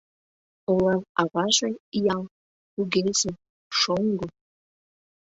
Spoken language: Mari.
Олан аваже — ял, кугезе, шоҥго.